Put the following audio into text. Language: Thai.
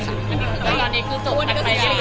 แล้วตอนนี้คือจบกันไม่ได้